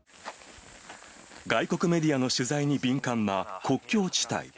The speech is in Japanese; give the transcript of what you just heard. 外国メディアの取材に敏感な国境地帯。